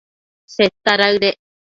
Seta daëdec